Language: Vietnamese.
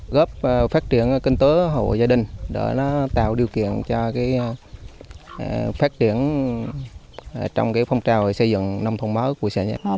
góp phát triển kinh tế hộ gia đình để tạo điều kiện cho phát triển trong phong trào xây dựng nông thôn mới của xã sơn thành tây